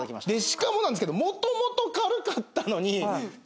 しかもなんですけどもともと軽かったのに。